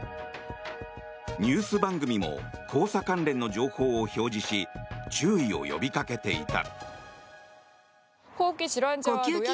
ニュース番組も黄砂関連の情報を表示し注意を呼びかけていた。